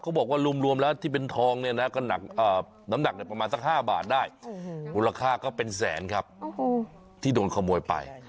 เขาบอกว่ารวมแล้วที่เป็นทองเนี่ยนะก็น้ำหนักประมาณสัก๕บาทได้มูลค่าก็เป็นแสนครับที่โดนขโมยไป